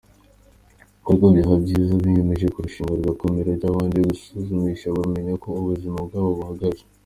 Ariko byaba byiza abiyimeje kurushinga rugakomera babanje kwisuzumisha bakamenya uko ubuzima bwabo buhagaze.